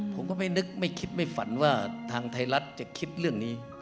ผมก็ไม่นึกไม่คิดไม่ฝันว่าทางไทยรัฐจะคิดเรื่องนี้